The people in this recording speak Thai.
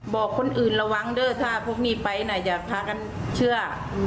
บอกคนอื่นระวังเด้อถ้าพวกนี้ไปอยากพากันเชื่อ